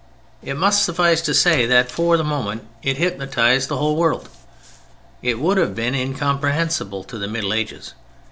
It must suffice to say that for a moment it hypnotized the whole world. It would have been incomprehensible to the Middle Ages.